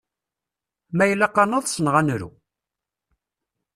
Ma ilaq ad nḍes neɣ ad nru?